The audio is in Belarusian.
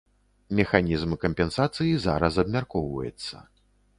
Механізм кампенсацыі зараз абмяркоўваецца.